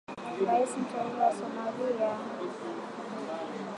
Rais mteule wa Somalia anakaribisha taarifa kwamba kikosi maalum cha operesheni cha Marekani